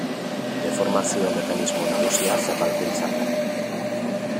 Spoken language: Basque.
Deformazio mekanismo nagusia zapalkuntza da.